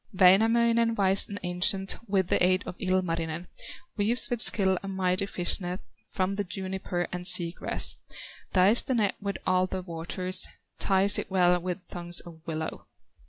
'" Wainamoinen, wise and ancient, With the aid of Ilmarinen, Weaves with skill a mighty fish net From the juniper and sea grass; Dyes the net with alder water, Ties it well with thongs of willow.